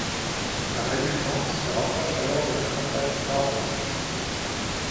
La résultante se rapproche alors de la cantate baroque.